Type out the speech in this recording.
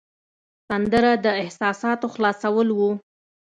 سندره د احساساتو خلاصول ده